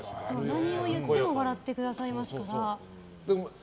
何を言っても笑ってくださいますから。